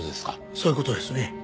そういう事ですね。